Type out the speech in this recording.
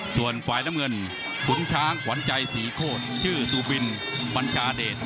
ส่วนฝ่ายน้ำเงินขุนช้างขวัญใจศรีโคตรชื่อซูบินบัญชาเดช